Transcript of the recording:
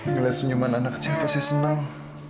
nilai senyuman anak kecil pasti senang